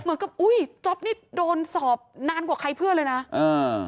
เหมือนกับอุ๊ยจ๊อบนี่โดนสอบนานกว่าใครเพื่อเลยนะอืม